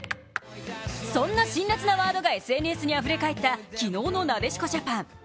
そんな辛辣なワードがＳＮＳにあふれかえった昨日のなでしこジャパン。